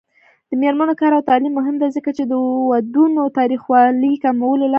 د میرمنو کار او تعلیم مهم دی ځکه چې ودونو تاوتریخوالي کمولو لاره ده.